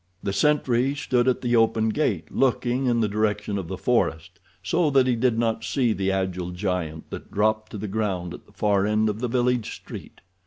The sentry stood at the open gate, looking in the direction of the forest, so that he did not see the agile giant that dropped to the ground at the far end of the village street.